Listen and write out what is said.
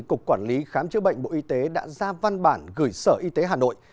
cục quản lý khám chữa bệnh bộ y tế đã ra văn bản gửi sở y tế hà nội